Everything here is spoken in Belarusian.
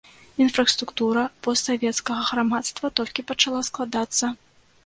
Інфраструктура постсавецкага грамадства толькі пачала складацца.